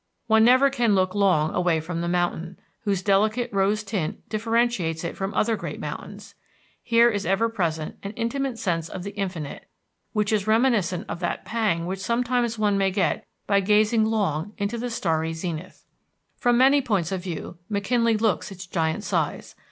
One never can look long away from the mountain, whose delicate rose tint differentiates it from other great mountains. Here is ever present an intimate sense of the infinite, which is reminiscent of that pang which sometimes one may get by gazing long into the starry zenith. From many points of view McKinley looks its giant size.